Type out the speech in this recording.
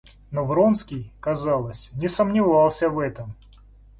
Но Вронский, казалось, не сомневался в этом.